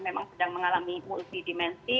memang sedang mengalami multi dimensi